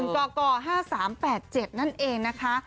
กก๕๓๘๗นั่นเองนะคะ